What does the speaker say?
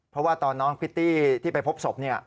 เพราะว่าตอนน้องพิตตี้ที่ไปพบศพ